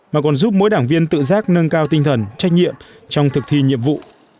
mà còn giúp mỗi đảng viên tự giác nâng cao tinh thần trách nhiệm trong thực thi nhiệm vụ